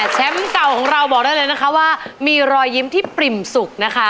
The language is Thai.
เก่าของเราบอกได้เลยนะคะว่ามีรอยยิ้มที่ปริ่มสุขนะคะ